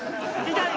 痛い！